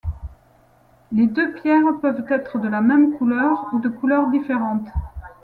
Les deux pierres peuvent être de la même couleur ou de couleurs différentes.